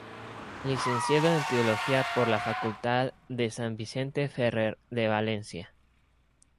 Licenciado en Teología por la Facultad de San Vicente Ferrer de Valencia.